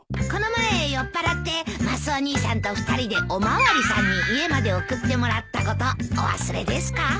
この前酔っぱらってマスオ兄さんと２人でお巡りさんに家まで送ってもらったことお忘れですか？